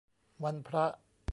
วันพระ